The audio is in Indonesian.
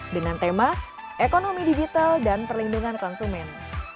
dengan tema ekonomi digital dan perlindungan konsumen